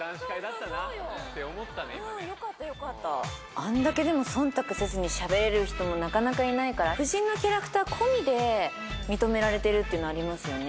ああんだけでもそんたくせずにしゃべれる人もなかなかいないから夫人のキャラクター込みで認められてるっていうのありますよね。